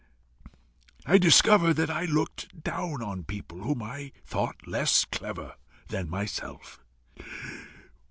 I discovered that I looked down on people whom I thought less clever than myself.